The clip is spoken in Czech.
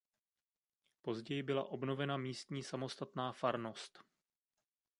Později byla obnovena místní samostatná farnost.